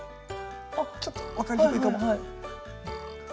ちょっと分かりにくいかも。